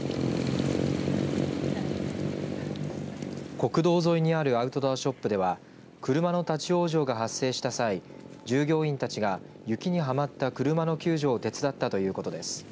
国道沿いにあるアウトドアショップでは車の立往生が発生した際従業員たちが雪に、はまった車の救助を手伝ったということです。